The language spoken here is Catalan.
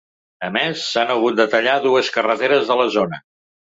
A més, s’han hagut de tallar dues carreteres de la zona.